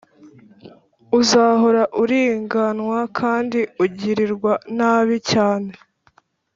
uzahora uriganywa kandi ugirirwa nabi cyane.